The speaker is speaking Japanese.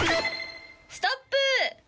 ストップ。